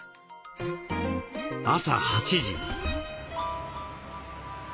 朝８時。